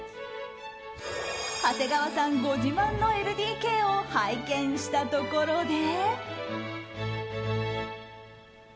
長谷川さんご自慢のＬＤＫを拝見したところで。